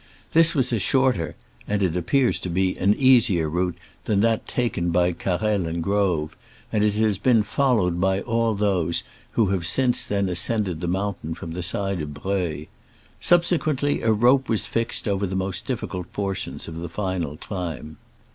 This was a short er (and it appears to be an easier) route than that taken by Carrel and Grove, and it has been followed by all those who have since then ascended the moun tain from the side of Breuil. Subsequently, a rope was fixed over the most difficult portions of the final climb.